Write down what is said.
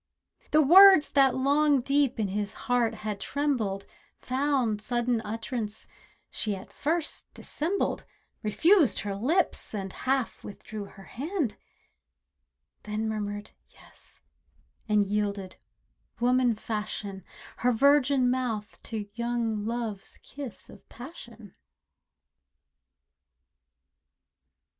The words that long deep in his heart had trembled Found sudden utterance; she at first dissembled, Refused her lips, and half withdrew her hand, Then murmured "Yes," and yielded, woman fashion, Her virgin mouth to young love's kiss of passion.